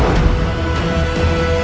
aku akan menang